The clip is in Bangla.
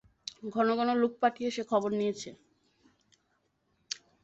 ঘন ঘন লোক পাঠিয়ে সে খবর নিয়েছে।